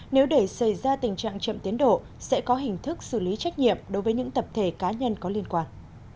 nếu để xảy ra tình trạng chậm tiến độ sẽ có hình thức xử lý trách nhiệm đối với những tập thể cá nhân có liên quan